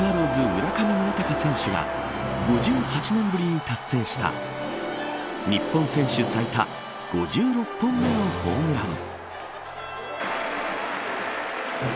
村上宗隆選手が５８年ぶりに達成した日本選手最多５６本目のホームラン。